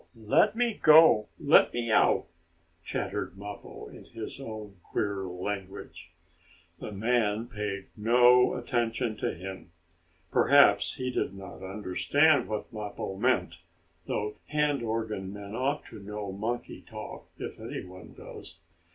"Let me go! Let me out!" chattered Mappo, in his own, queer language. The man paid no attention to him. Perhaps he did not understand what Mappo meant, though hand organ men ought to know monkey talk, if any one does.